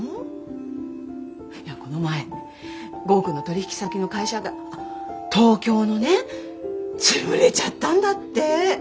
いやこの前剛くんの取引先の会社があっ東京のね潰れちゃったんだって。